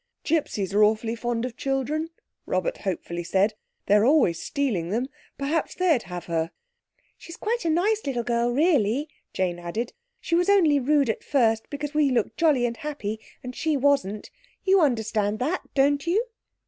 "Gipsies are awfully fond of children," Robert hopefully said. "They're always stealing them. Perhaps they'd have her." "She's quite a nice little girl really," Jane added; "she was only rude at first because we looked jolly and happy, and she wasn't. You understand that, don't you?"